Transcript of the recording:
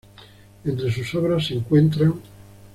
Entre sus obras se encuentran